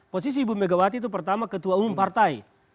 posisi ibu megawati itu pertama ketua umum partai